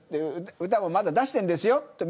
歌もまだ出してるんですよと。